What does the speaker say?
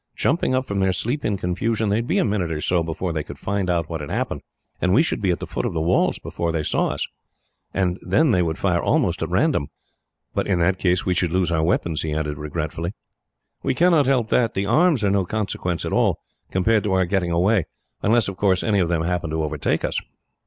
"Jumping up from their sleep in confusion, they would be a minute or so before they could find out what had happened, and we should be at the foot of the steps before they saw us, and then they would fire almost at random. "But, in that case, we should lose our weapons," he added regretfully. "We cannot help that. The arms are of no consequence at all, compared to our getting away unless, of course, any of them happen to overtake us."